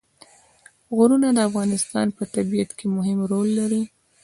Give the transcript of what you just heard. غرونه د افغانستان په طبیعت کې مهم رول لري.